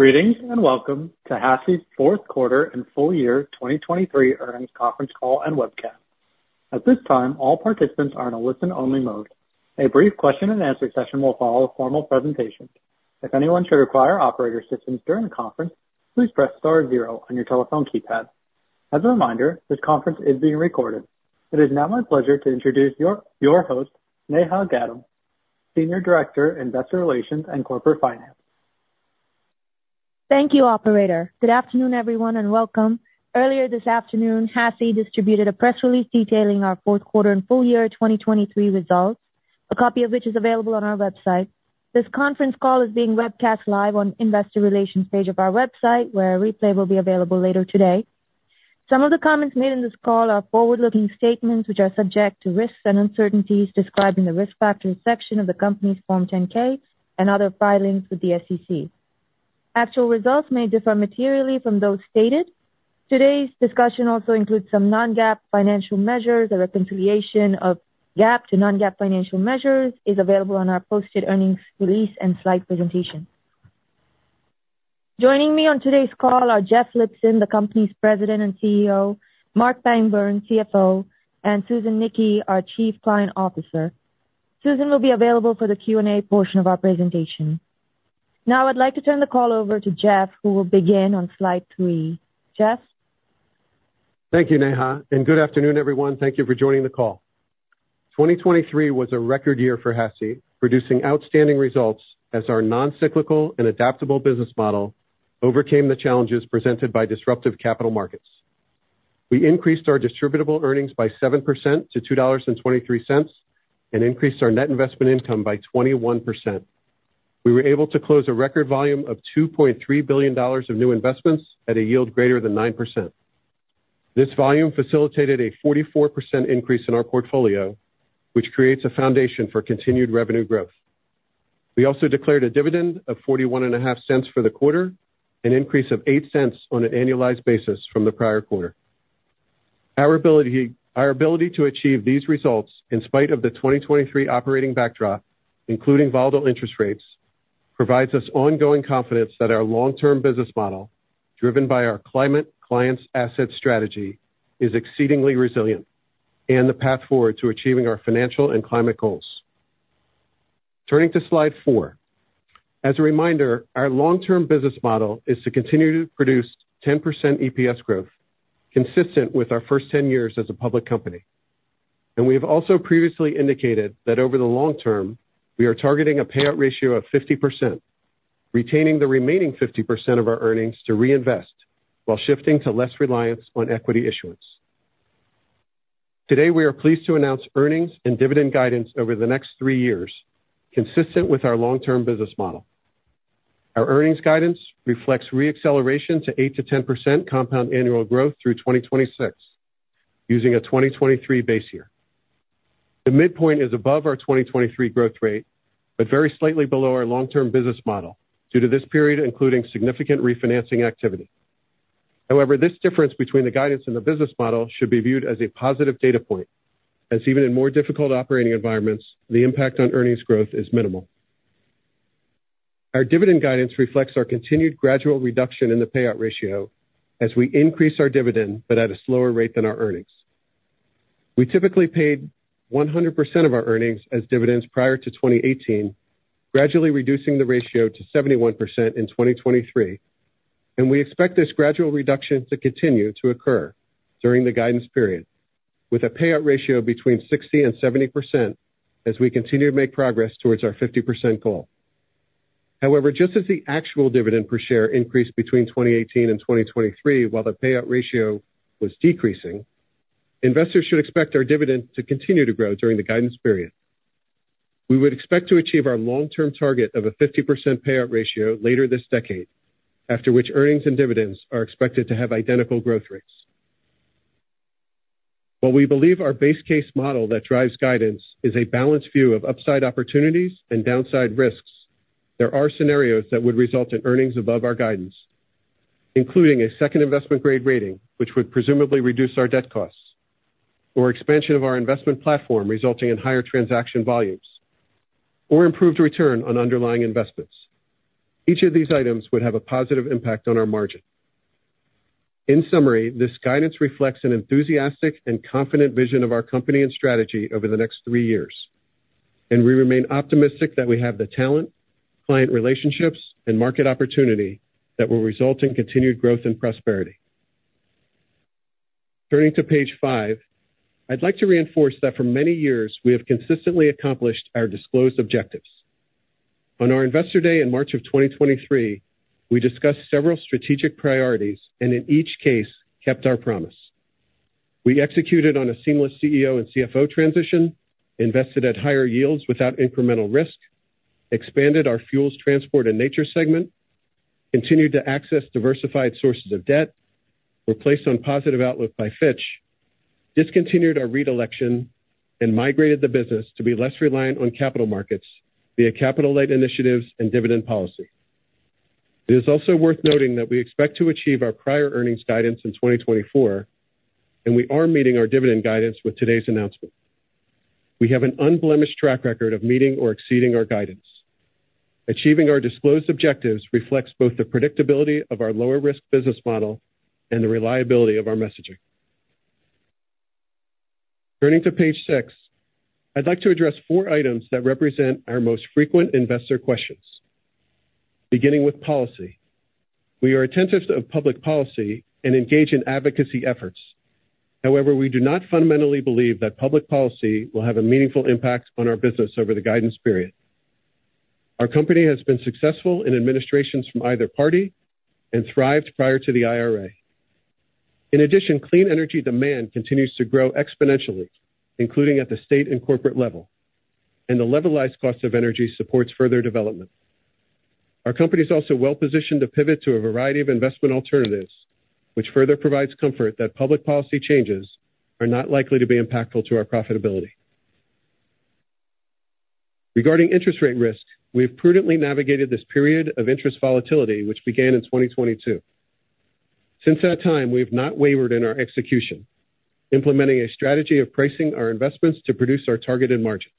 Greetings and welcome to HASI's fourth quarter and full year 2023 earnings conference call and webcast. At this time, all participants are in a listen-only mode. A brief question-and-answer session will follow a formal presentation. If anyone should require operator assistance during the conference, please press star zero on your telephone keypad. As a reminder, this conference is being recorded. It is now my pleasure to introduce your host, Neha Gaddam, Senior Director, Investor Relations, and Corporate Finance. Thank you, Operator. Good afternoon, everyone, and welcome. Earlier this afternoon, HASI distributed a press release detailing our fourth quarter and full year 2023 results, a copy of which is available on our website. This conference call is being webcast live on the Investor Relations page of our website, where a replay will be available later today. Some of the comments made in this call are forward-looking statements which are subject to risks and uncertainties described in the Risk Factors section of the company's Form 10-K and other filings with the SEC. Actual results may differ materially from those stated. Today's discussion also includes some non-GAAP financial measures. A reconciliation of GAAP to non-GAAP financial measures is available on our posted earnings release and slide presentation. Joining me on today's call are Jeff Lipson, the company's President and CEO, Marc Pangburn, CFO, and Susan Nickey, our Chief Client Officer. Susan will be available for the Q&A portion of our presentation. Now I'd like to turn the call over to Jeff, who will begin on slide three. Jeff? Thank you, Nehal, and good afternoon, everyone. Thank you for joining the call. 2023 was a record year for HASI, producing outstanding results as our non-cyclical and adaptable business model overcame the challenges presented by disruptive capital markets. We increased our distributable earnings by 7% to $2.23 and increased our net investment income by 21%. We were able to close a record volume of $2.3 billion of new investments at a yield greater than 9%. This volume facilitated a 44% increase in our portfolio, which creates a foundation for continued revenue growth. We also declared a dividend of $0.415 for the quarter, an increase of $0.08 on an annualized basis from the prior quarter. Our ability to achieve these results in spite of the 2023 operating backdrop, including volatile interest rates, provides us ongoing confidence that our long-term business model, driven by our climate-clients asset strategy, is exceedingly resilient and the path forward to achieving our financial and climate goals. Turning to slide 4. As a reminder, our long-term business model is to continue to produce 10% EPS growth, consistent with our first 10 years as a public company. And we have also previously indicated that over the long term, we are targeting a payout ratio of 50%, retaining the remaining 50% of our earnings to reinvest while shifting to less reliance on equity issuance. Today, we are pleased to announce earnings and dividend guidance over the next 3 years, consistent with our long-term business model. Our earnings guidance reflects reacceleration to 8%-10% compound annual growth through 2026, using a 2023 base year. The midpoint is above our 2023 growth rate but very slightly below our long-term business model due to this period including significant refinancing activity. However, this difference between the guidance and the business model should be viewed as a positive data point, as even in more difficult operating environments, the impact on earnings growth is minimal. Our dividend guidance reflects our continued gradual reduction in the payout ratio as we increase our dividend but at a slower rate than our earnings. We typically paid 100% of our earnings as dividends prior to 2018, gradually reducing the ratio to 71% in 2023. We expect this gradual reduction to continue to occur during the guidance period, with a payout ratio between 60%-70% as we continue to make progress towards our 50% goal. However, just as the actual dividend per share increased between 2018-2023 while the payout ratio was decreasing, investors should expect our dividend to continue to grow during the guidance period. We would expect to achieve our long-term target of a 50% payout ratio later this decade, after which earnings and dividends are expected to have identical growth rates. While we believe our base case model that drives guidance is a balanced view of upside opportunities and downside risks, there are scenarios that would result in earnings above our guidance, including a second investment-grade rating, which would presumably reduce our debt costs, or expansion of our investment platform resulting in higher transaction volumes, or improved return on underlying investments. Each of these items would have a positive impact on our margin. In summary, this guidance reflects an enthusiastic and confident vision of our company and strategy over the next three years, and we remain optimistic that we have the talent, client relationships, and market opportunity that will result in continued growth and prosperity. Turning to page five, I'd like to reinforce that for many years, we have consistently accomplished our disclosed objectives. On our Investor Day in March of 2023, we discussed several strategic priorities and, in each case, kept our promise. We executed on a seamless CEO and CFO transition, invested at higher yields without incremental risk, expanded our Fuels, Transport, and Nature segment, continued to access diversified sources of debt, were placed on positive outlook by Fitch, discontinued our REIT election, and migrated the business to be less reliant on capital markets via capital-led initiatives and dividend policy. It is also worth noting that we expect to achieve our prior earnings guidance in 2024, and we are meeting our dividend guidance with today's announcement. We have an unblemished track record of meeting or exceeding our guidance. Achieving our disclosed objectives reflects both the predictability of our lower-risk business model and the reliability of our messaging. Turning to page 6, I'd like to address 4 items that represent our most frequent investor questions. Beginning with policy, we are attentive to public policy and engage in advocacy efforts. However, we do not fundamentally believe that public policy will have a meaningful impact on our business over the guidance period. Our company has been successful in administrations from either party and thrived prior to the IRA. In addition, clean energy demand continues to grow exponentially, including at the state and corporate level, and the Levelized Cost of Energy supports further development. Our company is also well-positioned to pivot to a variety of investment alternatives, which further provides comfort that public policy changes are not likely to be impactful to our profitability. Regarding interest rate risk, we have prudently navigated this period of interest volatility, which began in 2022. Since that time, we have not wavered in our execution, implementing a strategy of pricing our investments to produce our targeted margins.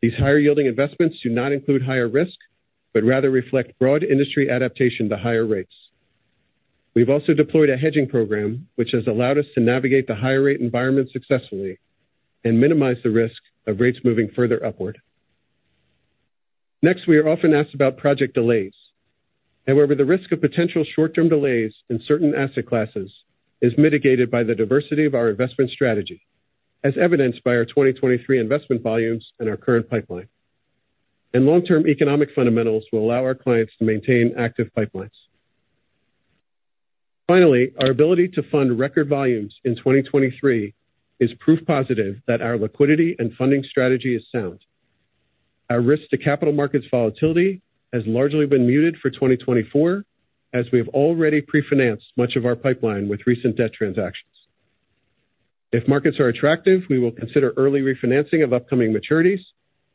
These higher-yielding investments do not include higher risk but rather reflect broad industry adaptation to higher rates. We have also deployed a hedging program, which has allowed us to navigate the higher-rate environment successfully and minimize the risk of rates moving further upward. Next, we are often asked about project delays. However, the risk of potential short-term delays in certain asset classes is mitigated by the diversity of our investment strategy, as evidenced by our 2023 investment volumes and our current pipeline. Long-term economic fundamentals will allow our clients to maintain active pipelines. Finally, our ability to fund record volumes in 2023 is proof positive that our liquidity and funding strategy is sound. Our risk to capital markets volatility has largely been muted for 2024, as we have already pre-financed much of our pipeline with recent debt transactions. If markets are attractive, we will consider early refinancing of upcoming maturities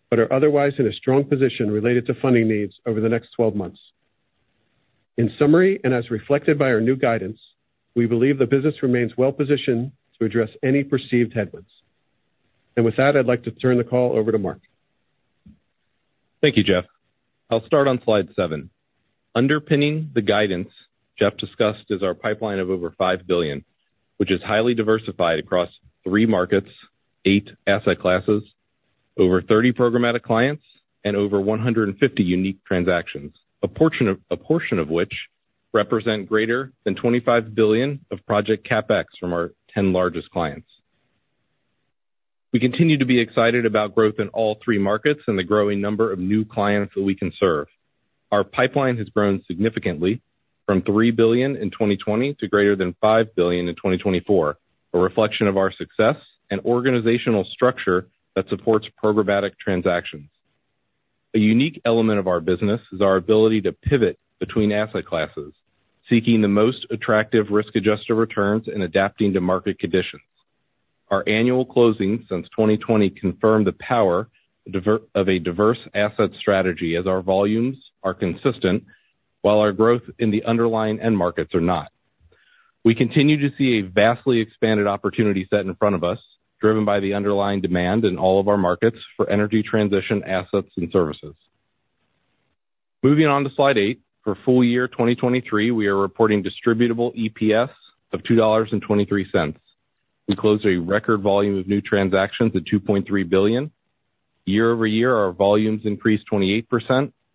but are otherwise in a strong position related to funding needs over the next 12 months. In summary, and as reflected by our new guidance, we believe the business remains well-positioned to address any perceived headwinds. With that, I'd like to turn the call over to Marc. Thank you, Jeff. I'll start on slide seven. Underpinning the guidance Jeff discussed is our pipeline of over $5 billion, which is highly diversified across three markets, eight asset classes, over 30 programmatic clients, and over 150 unique transactions, a portion of which represent greater than $25 billion of project capex from our 10 largest clients. We continue to be excited about growth in all three markets and the growing number of new clients that we can serve. Our pipeline has grown significantly from $3 billion in 2020 to greater than $5 billion in 2024, a reflection of our success and organizational structure that supports programmatic transactions. A unique element of our business is our ability to pivot between asset classes, seeking the most attractive risk-adjusted returns and adapting to market conditions. Our annual closings since 2020 confirm the power of a diverse asset strategy as our volumes are consistent while our growth in the underlying end markets are not. We continue to see a vastly expanded opportunity set in front of us, driven by the underlying demand in all of our markets for energy transition assets and services. Moving on to Slide 8. For full year 2023, we are reporting distributable EPS of $2.23. We closed a record volume of new transactions at $2.3 billion. Year-over-year, our volumes increased 28%,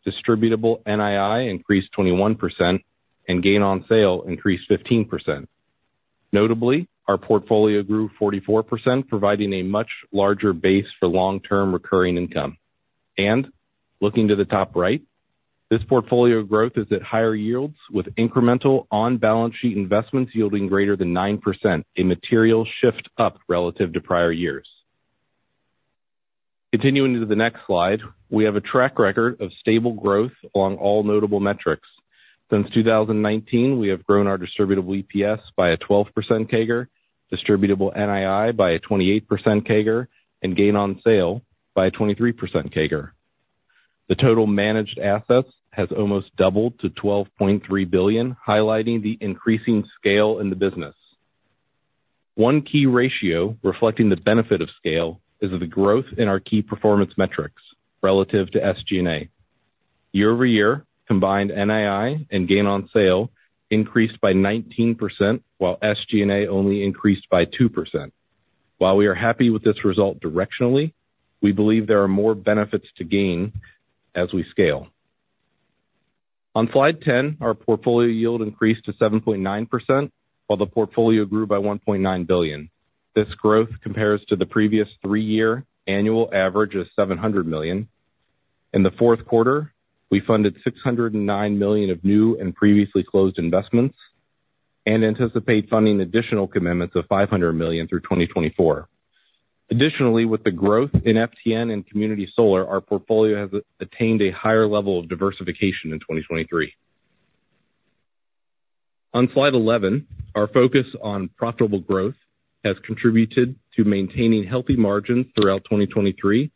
distributable NII increased 21%, and gain on sale increased 15%. Notably, our portfolio grew 44%, providing a much larger base for long-term recurring income. Looking to the top right, this portfolio growth is at higher yields with incremental on-balance sheet investments yielding greater than 9%, a material shift up relative to prior years. Continuing to the next slide, we have a track record of stable growth along all notable metrics. Since 2019, we have grown our distributable EPS by a 12% CAGR, distributable NII by a 28% CAGR, and gain on sale by a 23% CAGR. The total managed assets has almost doubled to $12.3 billion, highlighting the increasing scale in the business. One key ratio reflecting the benefit of scale is the growth in our key performance metrics relative to SG&A. Year-over-year, combined NII and gain on sale increased by 19% while SG&A only increased by 2%. While we are happy with this result directionally, we believe there are more benefits to gain as we scale. On slide 10, our portfolio yield increased to 7.9% while the portfolio grew by $1.9 billion. This growth compares to the previous three-year annual average of $700 million. In the fourth quarter, we funded $609 million of new and previously closed investments and anticipate funding additional commitments of $500 million through 2024. Additionally, with the growth in FTN and community solar, our portfolio has attained a higher level of diversification in 2023. On slide 11, our focus on profitable growth has contributed to maintaining healthy margins throughout 2023,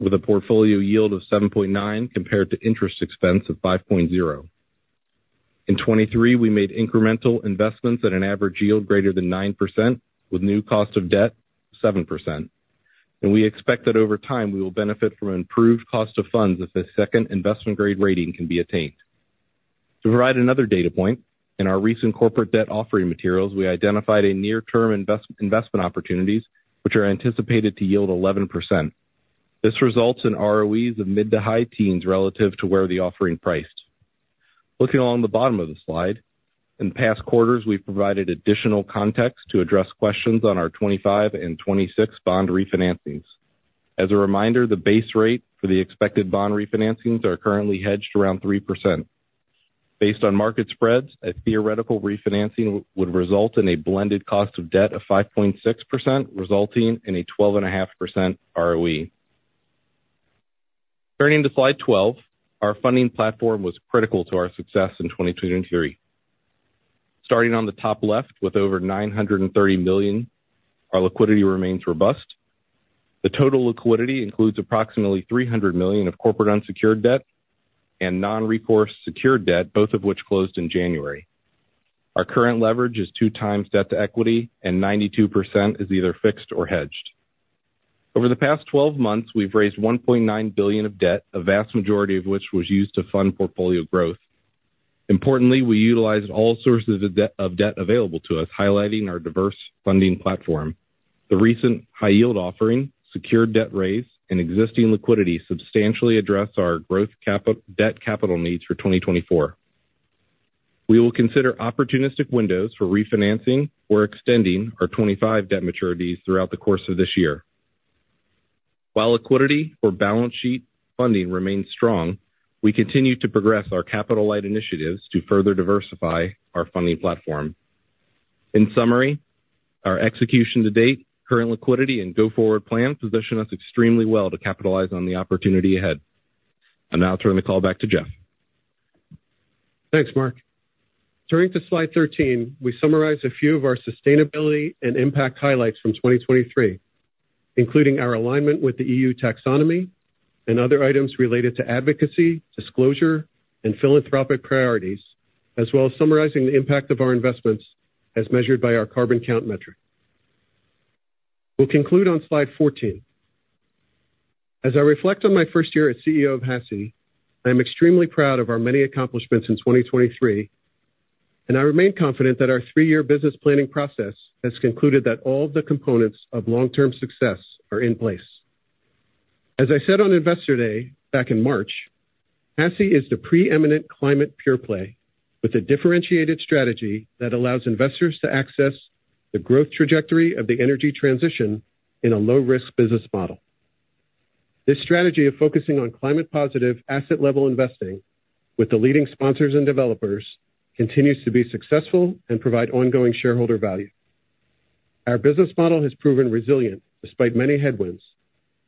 with a portfolio yield of 7.9 compared to interest expense of 5.0. In 2023, we made incremental investments at an average yield greater than 9% with new cost of debt of 7%. We expect that over time, we will benefit from improved cost of funds if a second investment-grade rating can be attained. To provide another data point, in our recent corporate debt offering materials, we identified near-term investment opportunities, which are anticipated to yield 11%. This results in ROEs of mid- to high-teens relative to where the offering priced. Looking along the bottom of the slide, in past quarters, we've provided additional context to address questions on our 2025 and 2026 bond refinancings. As a reminder, the base rate for the expected bond refinancings are currently hedged around 3%. Based on market spreads, a theoretical refinancing would result in a blended cost of debt of 5.6%, resulting in a 12.5% ROE. Turning to slide 12, our funding platform was critical to our success in 2023. Starting on the top left with over $930 million, our liquidity remains robust. The total liquidity includes approximately $300 million of corporate unsecured debt and non-recourse secured debt, both of which closed in January. Our current leverage is 2x debt to equity, and 92% is either fixed or hedged. Over the past 12 months, we've raised $1.9 billion of debt, a vast majority of which was used to fund portfolio growth. Importantly, we utilized all sources of debt available to us, highlighting our diverse funding platform. The recent high-yield offering, secured debt raise, and existing liquidity substantially address our growth debt capital needs for 2024. We will consider opportunistic windows for refinancing or extending our 2025 debt maturities throughout the course of this year. While liquidity for balance sheet funding remains strong, we continue to progress our capital-led initiatives to further diversify our funding platform. In summary, our execution to date, current liquidity, and go-forward plan position us extremely well to capitalize on the opportunity ahead. I'm now turning the call back to Jeff. Thanks, Marc. Turning to slide 13, we summarize a few of our sustainability and impact highlights from 2023, including our alignment with the EU Taxonomy and other items related to advocacy, disclosure, and philanthropic priorities, as well as summarizing the impact of our investments as measured by our CarbonCount metric. We'll conclude on slide 14. As I reflect on my first year as CEO of HASI, I am extremely proud of our many accomplishments in 2023, and I remain confident that our three-year business planning process has concluded that all of the components of long-term success are in place. As I said on Investor Day back in March, HASI is the preeminent climate pureplay with a differentiated strategy that allows investors to access the growth trajectory of the energy transition in a low-risk business model. This strategy of focusing on climate-positive asset-level investing with the leading sponsors and developers continues to be successful and provide ongoing shareholder value. Our business model has proven resilient despite many headwinds,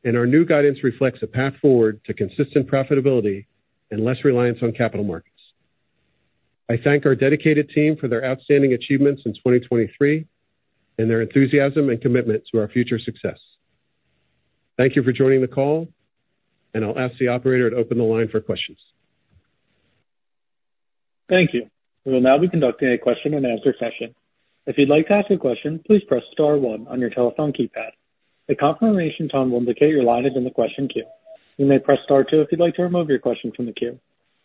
and our new guidance reflects a path forward to consistent profitability and less reliance on capital markets. I thank our dedicated team for their outstanding achievements in 2023 and their enthusiasm and commitment to our future success. Thank you for joining the call, and I'll ask the operator to open the line for questions. Thank you. We will now be conducting a question-and-answer session. If you'd like to ask a question, please press star one on your telephone keypad. The confirmation tone will indicate your line is in the question queue. You may press star two if you'd like to remove your question from the queue.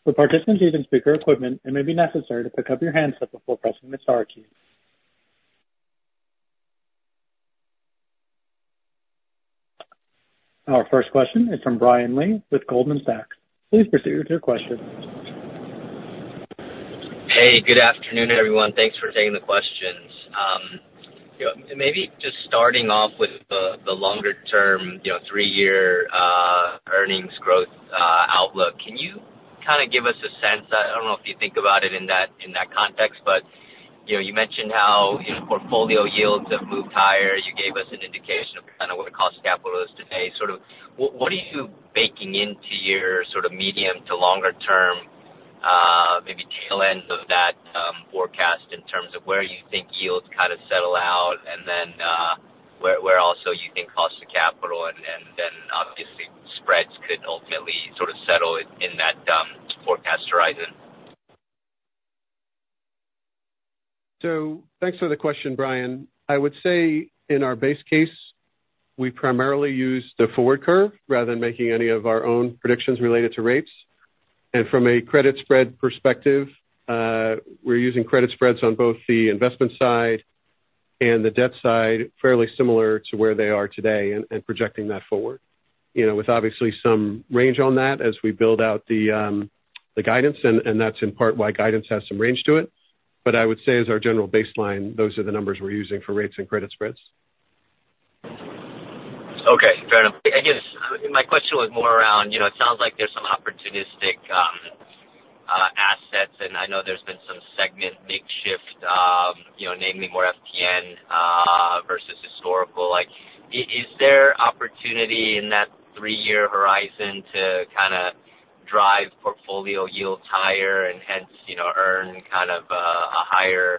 For participants using speaker equipment, it may be necessary to pick up your handset before pressing the star key. Our first question is from Brian Lee with Goldman Sachs. Please proceed with your question. Hey, good afternoon, everyone. Thanks for taking the questions. You know, maybe just starting off with the longer-term, you know, three-year earnings growth outlook, can you kind of give us a sense? I don't know if you think about it in that context, but, you know, you mentioned how, you know, portfolio yields have moved higher. You gave us an indication of kind of what cost capital is today. Sort of what are you baking into your sort of medium to longer-term, maybe tail end of that, forecast in terms of where you think yields kind of settle out and then, where also you think cost of capital and then obviously spreads could ultimately sort of settle in, in that forecast horizon? So thanks for the question, Brian. I would say in our base case, we primarily use the forward curve rather than making any of our own predictions related to rates. And from a credit spread perspective, we're using credit spreads on both the investment side and the debt side fairly similar to where they are today and projecting that forward, you know, with obviously some range on that as we build out the guidance. And that's in part why guidance has some range to it. But I would say as our general baseline, those are the numbers we're using for rates and credit spreads. Okay, Jeff. I guess my question was more around, you know, it sounds like there's some opportunistic assets, and I know there's been some segment mix shift, you know, namely more FTN versus historical. Like, is there opportunity in that three-year horizon to kind of drive portfolio yields higher and hence, you know, earn kind of a higher,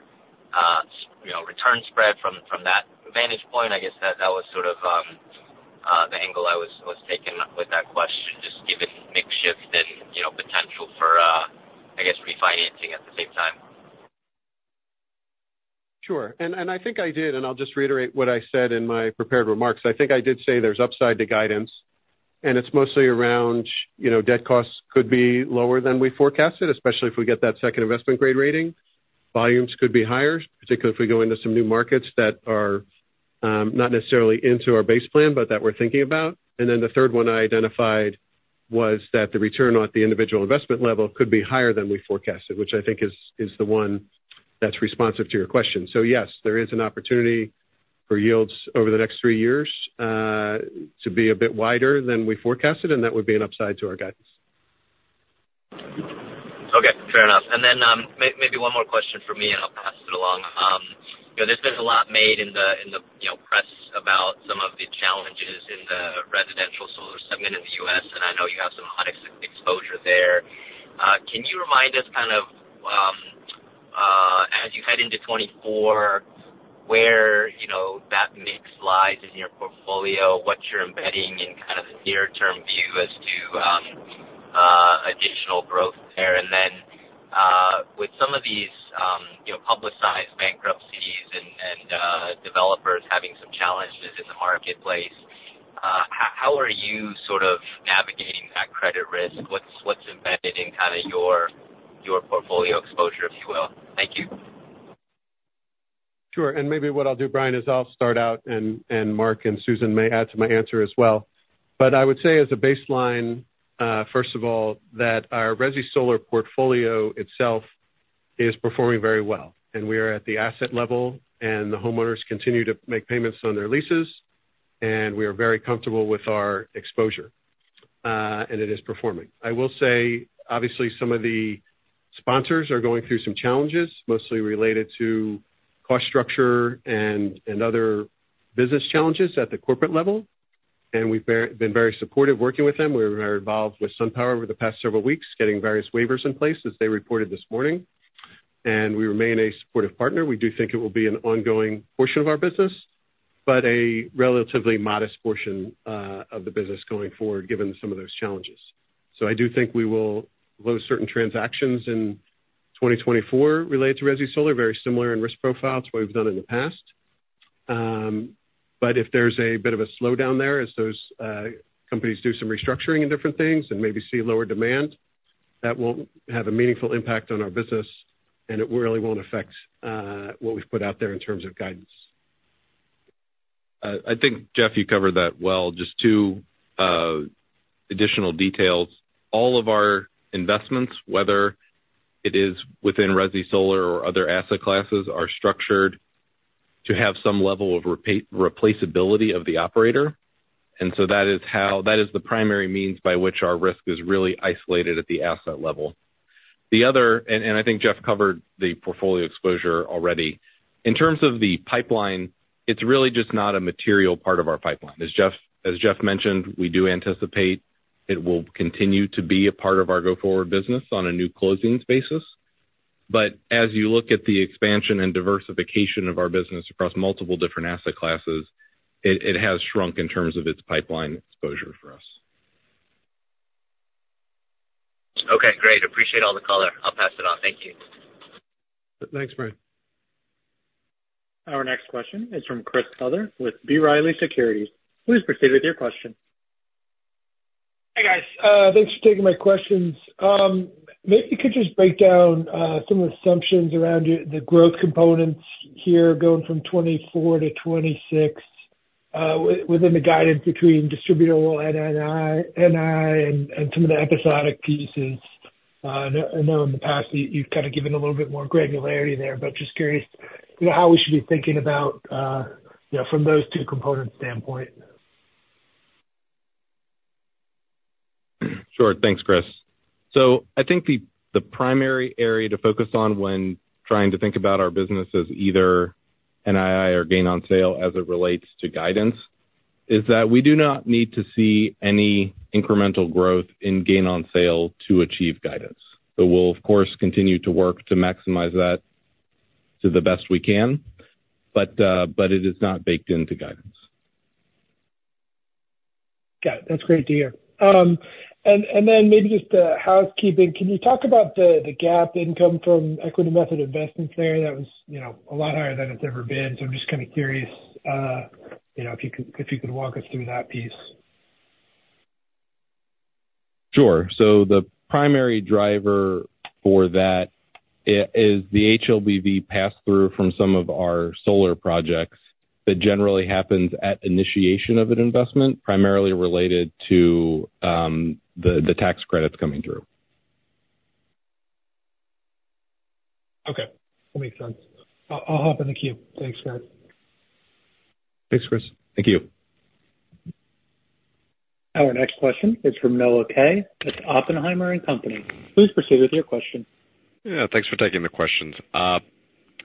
you know, return spread from that vantage point? I guess that was sort of the angle I was taking with that question, just given mix shift and, you know, potential for, I guess, refinancing at the same time. Sure. And I think I did, and I'll just reiterate what I said in my prepared remarks. I think I did say there's upside to guidance, and it's mostly around, you know, debt costs could be lower than we forecasted, especially if we get that second investment-grade rating. Volumes could be higher, particularly if we go into some new markets that are, not necessarily into our base plan but that we're thinking about. And then the third one I identified was that the return at the individual investment level could be higher than we forecasted, which I think is the one that's responsive to your question. So yes, there is an opportunity for yields over the next three years, to be a bit wider than we forecasted, and that would be an upside to our guidance. Okay, fair enough. Then, maybe one more question for me, and I'll pass it along. You know, there's been a lot made in the, you know, press about some of the challenges in the residential solar segment in the U.S., and I know you have some hot exposure there. Can you remind us kind of, as you head into 2024, where, you know, that mix lies in your portfolio, what you're embedding in kind of the near-term view as to additional growth there? And then, with some of these, you know, publicized bankruptcies and developers having some challenges in the marketplace, how are you sort of navigating that credit risk? What's embedded in kind of your portfolio exposure, if you will? Thank you. Sure. And maybe what I'll do, Brian, is I'll start out, and Marc and Susan may add to my answer as well. But I would say as a baseline, first of all, that our resi solar portfolio itself is performing very well. And we are at the asset level, and the homeowners continue to make payments on their leases, and we are very comfortable with our exposure, and it is performing. I will say, obviously, some of the sponsors are going through some challenges, mostly related to cost structure and other business challenges at the corporate level. And we've been very supportive working with them. We are involved with SunPower over the past several weeks, getting various waivers in place, as they reported this morning. And we remain a supportive partner. We do think it will be an ongoing portion of our business but a relatively modest portion of the business going forward given some of those challenges. So I do think we will close certain transactions in 2024 related to resi solar, very similar in risk profile to what we've done in the past. But if there's a bit of a slowdown there as those companies do some restructuring and different things and maybe see lower demand, that won't have a meaningful impact on our business, and it really won't affect what we've put out there in terms of guidance. I think, Jeff, you covered that well. Just two additional details. All of our investments, whether it is within ResiSolar or other asset classes, are structured to have some level of replaceability of the operator. And so that is how that is the primary means by which our risk is really isolated at the asset level. The other and, I think Jeff covered the portfolio exposure already. In terms of the pipeline, it's really just not a material part of our pipeline. As Jeff mentioned, we do anticipate it will continue to be a part of our go-forward business on a new closings basis. But as you look at the expansion and diversification of our business across multiple different asset classes, it, it has shrunk in terms of its pipeline exposure for us. Okay, great. Appreciate all the color. I'll pass it on. Thank you. Thanks, Brian. Our next question is from Chris Souther with B. Riley Securities. Please proceed with your question. Hey, guys. Thanks for taking my questions. Maybe you could just break down some assumptions around why the growth components here going from 2024 to 2026 within the guidance between distributable NII and some of the episodic pieces. I know, I know in the past, you've kind of given a little bit more granularity there, but just curious, you know, how we should be thinking about, you know, from those two components standpoint. Sure. Thanks, Chris. So I think the primary area to focus on when trying to think about our business as either NII or gain-on-sale as it relates to guidance is that we do not need to see any incremental growth in gain-on-sale to achieve guidance. So we'll, of course, continue to work to maximize that to the best we can, but it is not baked into guidance. Got it. That's great to hear. And then maybe just housekeeping, can you talk about the GAAP income from equity method investments there? That was, you know, a lot higher than it's ever been. So I'm just kind of curious, you know, if you could walk us through that piece. Sure. So the primary driver for that is the HLBV pass-through from some of our solar projects. That generally happens at initiation of an investment, primarily related to the tax credits coming through. Okay. That makes sense. I'll hop in the queue. Thanks, guys. Thanks, Chris. Thank you. Our next question is from Noah Kaye at Oppenheimer & Company. Please proceed with your question. Yeah. Thanks for taking the questions.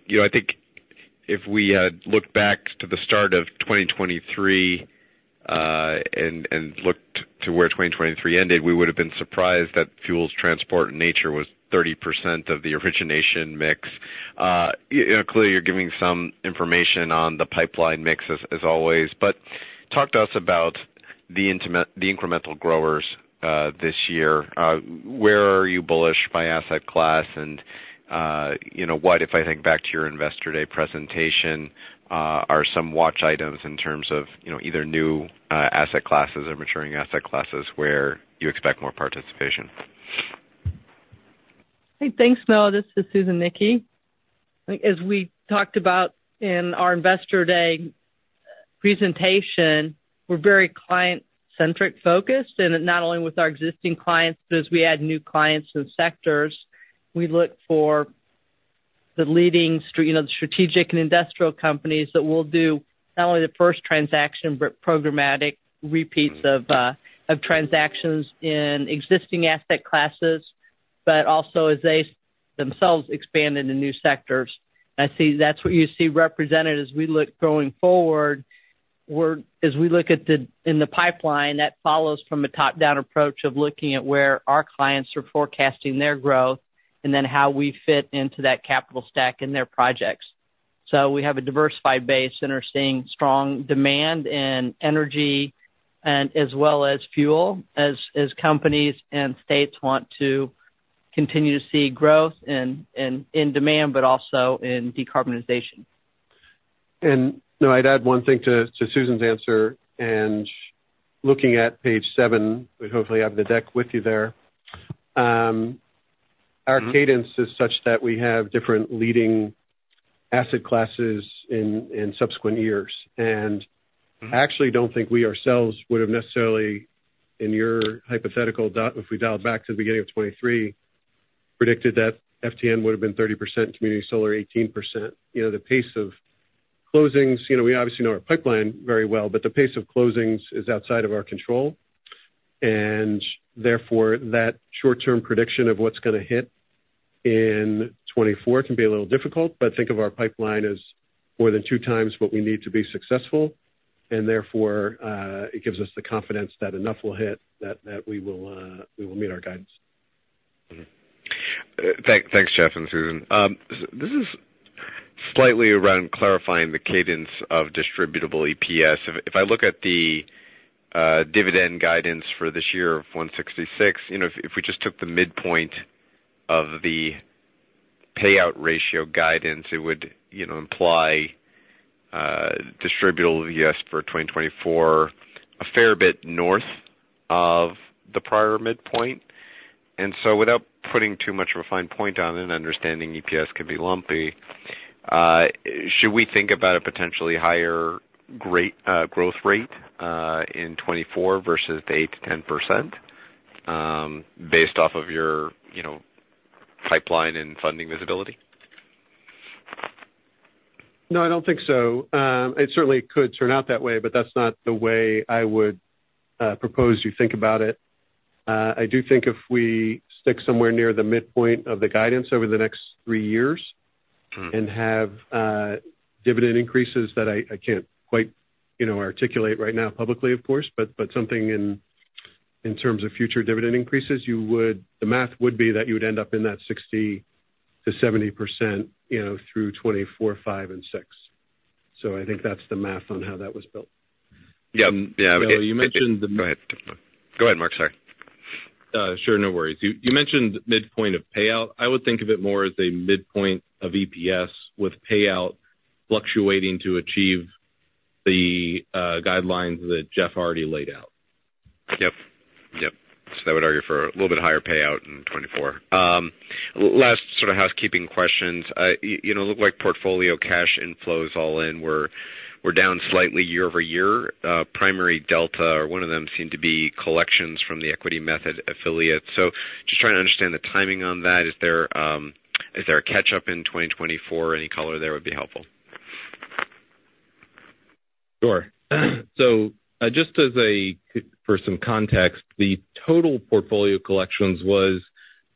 You know, I think if we looked back to the start of 2023, and looked to where 2023 ended, we would have been surprised that fuels, transport, and nature was 30% of the origination mix. You know, clearly, you're giving some information on the pipeline mix as always. But talk to us about in terms of the incremental growers this year. Where are you bullish by asset class? And you know, what, if I think back to your Investor Day presentation, are some watch items in terms of you know, either new asset classes or maturing asset classes where you expect more participation? Hey, thanks, Noah. This is Susan Nickey. I think as we talked about in our Investor Day presentation, we're very client-centric-focused, and not only with our existing clients, but as we add new clients and sectors, we look for the leading you know, the strategic and industrial companies that will do not only the first transaction but programmatic repeats of, of transactions in existing asset classes but also as they themselves expand into new sectors. And I see that's what you see represented as we look going forward. We're as we look at the pipeline, that follows from a top-down approach of looking at where our clients are forecasting their growth and then how we fit into that capital stack in their projects. So we have a diversified base, and we're seeing strong demand in energy and as well as fuel as companies and states want to continue to see growth in demand but also in decarbonization. You know, I'd add one thing to, to Susan's answer. Looking at page 7, we hopefully have the deck with you there. Our cadence is such that we have different leading asset classes in, in subsequent years. I actually don't think we ourselves would have necessarily, in your hypothetical do if we dialed back to the beginning of 2023, predicted that FTN would have been 30%, community solar 18%. You know, the pace of closings you know, we obviously know our pipeline very well, but the pace of closings is outside of our control. Therefore, that short-term prediction of what's gonna hit in 2024 can be a little difficult. But think of our pipeline as more than 2 times what we need to be successful. Therefore, it gives us the confidence that enough will hit, that, that we will, we will meet our guidance. Mm-hmm. Thanks, Jeff and Susan. This is slightly around clarifying the cadence of distributable EPS. If I look at the dividend guidance for this year of $1.66, you know, if we just took the midpoint of the payout ratio guidance, it would, you know, imply distributable EPS for 2024 a fair bit north of the prior midpoint. And so without putting too much of a fine point on it and understanding EPS can be lumpy, should we think about a potentially higher greater growth rate in 2024 versus the 8%-10%, based off of your, you know, pipeline and funding visibility? No, I don't think so. It certainly could turn out that way, but that's not the way I would propose you think about it. I do think if we stick somewhere near the midpoint of the guidance over the next three years and have dividend increases that I, I can't quite, you know, articulate right now publicly, of course, but, but something in, in terms of future dividend increases, you would the math would be that you would end up in that 60%-70%, you know, through 2024, 2025, and 2026. So I think that's the math on how that was built. Yeah. Yeah. Bill, you mentioned the mid. Go ahead. Go ahead, Marc. Sorry. Sure. No worries. You mentioned midpoint of payout. I would think of it more as a midpoint of EPS with payout fluctuating to achieve the guidelines that Jeff already laid out. Yep. Yep. So I would argue for a little bit higher payout in 2024. Last sort of housekeeping questions. You know, it looked like portfolio cash inflows all in were down slightly year-over-year. Primary delta or one of them seemed to be collections from the equity method affiliates. So just trying to understand the timing on that. Is there a catch-up in 2024? Any color there would be helpful. Sure. So, just as a, for some context, the total portfolio collections was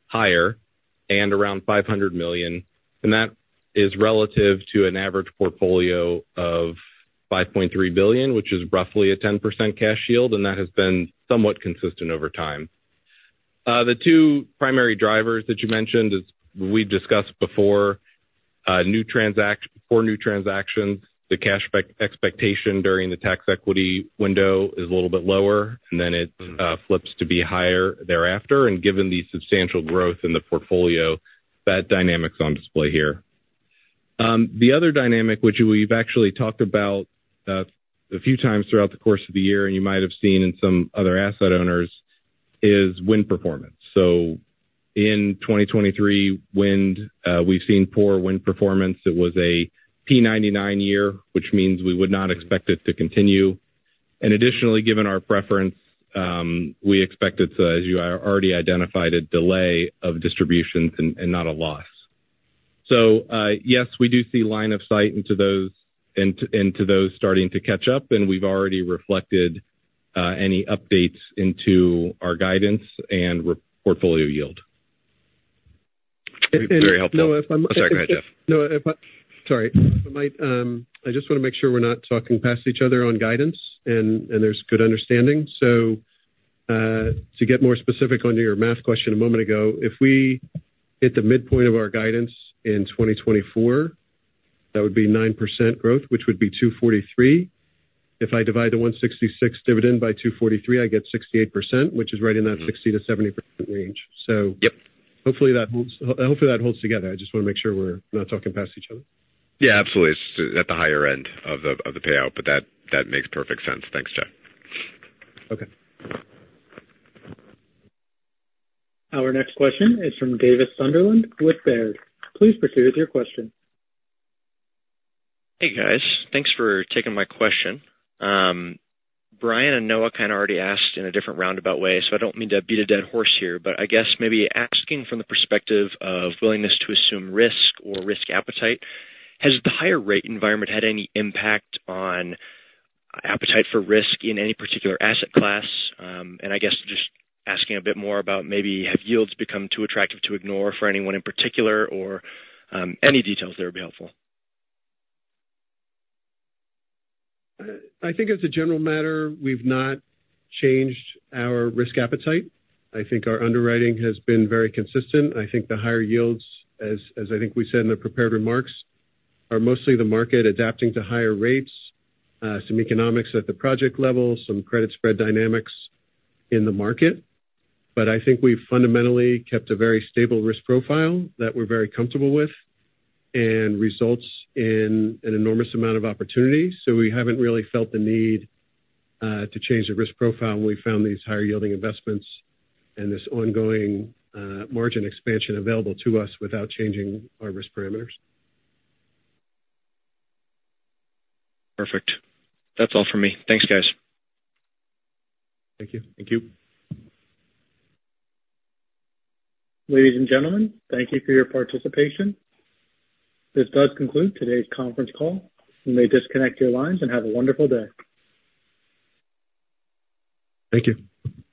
higher and around $500 million. And that is relative to an average portfolio of $5.3 billion, which is roughly a 10% cash yield. That has been somewhat consistent over time. The two primary drivers that you mentioned is we've discussed before, new transactions, the cash expectation during the tax equity window is a little bit lower, and then it flips to be higher thereafter. Given the substantial growth in the portfolio, that dynamic's on display here. The other dynamic, which we've actually talked about, a few times throughout the course of the year, and you might have seen in some other asset owners, is wind performance. So in 2023, wind, we've seen poor wind performance. It was a P99 year, which means we would not expect it to continue. And additionally, given our preference, we expect it's a, as you already identified, a delay of distributions and not a loss. So, yes, we do see line of sight into those into those starting to catch up. We've already reflected any updates into our guidance and our portfolio yield. Very helpful. Noah, if I'm. Oh, sorry. Go ahead, Jeff. Noah, if I might, I just wanna make sure we're not talking past each other on guidance and there's good understanding. So, to get more specific on your math question a moment ago, if we hit the midpoint of our guidance in 2024, that would be 9% growth, which would be $2.43. If I divide the $1.66 dividend by $2.43, I get 68%, which is right in that 60%-70% range. So. Yep. Hopefully, that holds together. I just wanna make sure we're not talking past each other. Yeah, absolutely. It's at the higher end of the payout. But that makes perfect sense. Thanks, Jeff. Okay. Our next question is from Davis Sunderland with Baird. Please proceed with your question. Hey, guys. Thanks for taking my question. Brian and Noah kinda already asked in a different roundabout way, so I don't mean to beat a dead horse here. But I guess maybe asking from the perspective of willingness to assume risk or risk appetite, has the higher-rate environment had any impact on appetite for risk in any particular asset class? And I guess just asking a bit more about maybe have yields become too attractive to ignore for anyone in particular or any details there would be helpful. I think as a general matter, we've not changed our risk appetite. I think our underwriting has been very consistent. I think the higher yields, as I think we said in the prepared remarks, are mostly the market adapting to higher rates, some economics at the project level, some credit spread dynamics in the market. But I think we've fundamentally kept a very stable risk profile that we're very comfortable with and results in an enormous amount of opportunity. So we haven't really felt the need to change the risk profile. And we found these higher-yielding investments and this ongoing margin expansion available to us without changing our risk parameters. Perfect. That's all from me. Thanks, guys. Thank you. Thank you. Ladies and gentlemen, thank you for your participation. This does conclude today's conference call. You may disconnect your lines and have a wonderful day. Thank you.